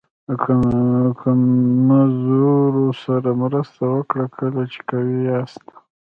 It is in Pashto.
د کمزورو سره مرسته وکړه کله چې قوي یاست.